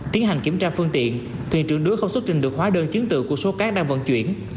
tiến hành kiểm tra phương tiện thuyền trưởng nữ không xuất trình được hóa đơn chứng tự của số cát đang vận chuyển